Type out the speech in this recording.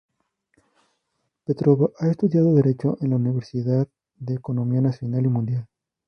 Petrova ha estudiado derecho en la Universidad de Economía Nacional y Mundial.